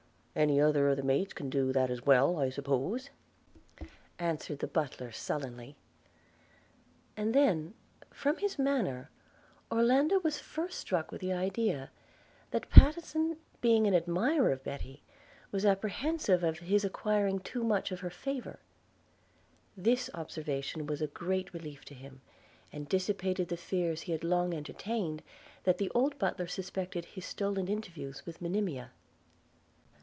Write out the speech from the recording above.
'Any other of the maids can do that as well, I suppose,' answered the butler, sullenly: and then, from his manner, Orlando was first struck with the idea, that Pattenson, being an admirer of Betty, was apprehensive of his acquiring too much of her favour. This observation was a great relief to him, and dissipated the fears he had long entertained, that the old butler suspected his stolen interviews with Monimia.